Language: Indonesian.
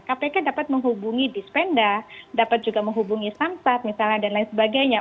kpk dapat menghubungi dispenda dapat juga menghubungi samsat misalnya dan lain sebagainya